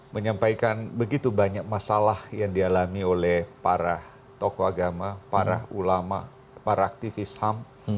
menyampaikan begitu banyak masalah yang dialami oleh para tokoh agama para ulama para aktivis ham